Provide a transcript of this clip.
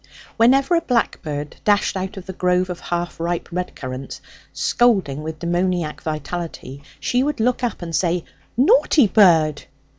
Whenever a blackbird dashed out of the grove of half ripe red currants, scolding with demoniac vitality, she would look up and say, 'Naughty bird.'